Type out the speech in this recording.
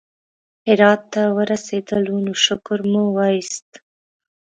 هرات ته ورسېدلو نو شکر مو وایست.